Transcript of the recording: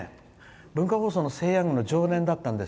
文化放送の「セイ！ヤング」の常連だったんです。